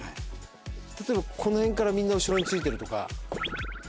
例えばこの辺からみんな後ろについてるとか。